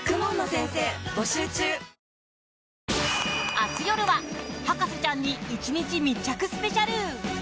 明日夜は「博士ちゃんに１日密着スペシャル」。